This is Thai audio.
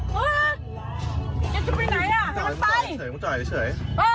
มันจะไปไหนมันไป